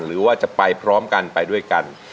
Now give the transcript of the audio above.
หรือว่าจะไปพร้อมกันไปด้วยกัน